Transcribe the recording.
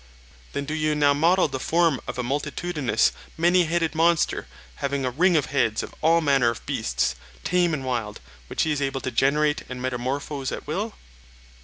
Then do you now model the form of a multitudinous, many headed monster, having a ring of heads of all manner of beasts, tame and wild, which he is able to generate and metamorphose at will.